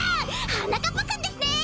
はなかっぱくんですね！？